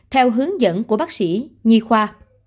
theo hướng dẫn của bác sĩ nhi khoa